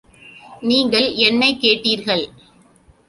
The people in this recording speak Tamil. நீங்கள் என்னைக் கேட்டீர்கள்.